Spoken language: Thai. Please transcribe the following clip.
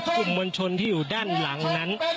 กลุ่มมวลชนที่อยู่ด้านหลังนั้น